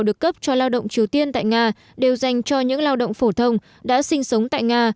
được cấp cho lao động triều tiên tại nga đều dành cho những lao động phổ thông đã sinh sống tại nga